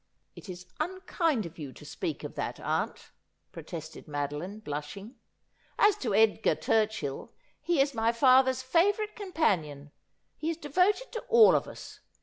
' It is unkiiid of you to speak of that, aunt,' protested Madoline, blushing. 'As to Edgar Turchill, he is my father's favourite companion ; he is devott d to all of un.